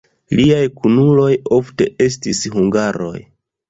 Liaj kunuloj ofte estis hungaroj.